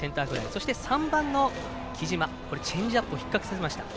そして、３番の木嶋チェンジアップを引っ掛けさせました。